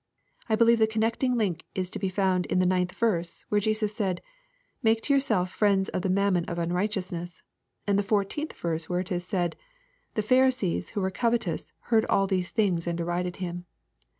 I believe the connecting link is to be found in the 9th verse, where Jesus said, " Make to yourselves friends of the mammon of unrighteousness," and in the 14th verse, where it i» said, " The Pharisees, who were covetous, heard all these things, and derided Him."